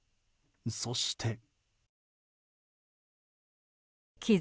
そして。